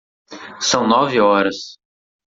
São nove horas.